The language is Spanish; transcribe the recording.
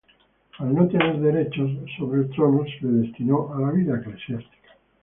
Al no tener derechos sobre el trono, se le destinó a la vida eclesiástica.